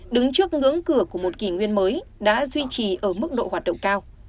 đứng trước ngưỡng cửa của một kỷ nguyên mới đã duy trì ở mức độ hoạt động cao